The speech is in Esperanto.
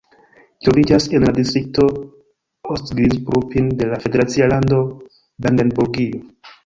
Ĝi troviĝas en la distrikto Ostprignitz-Ruppin de la federacia lando Brandenburgio.